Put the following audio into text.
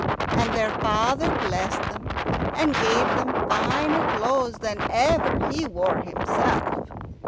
And their father blessed them, and gave them finer clothes than ever he wore himself.